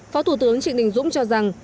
phó thủ tướng trịnh đình dũng cho rằng